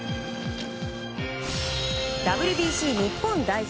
ＷＢＣ日本代表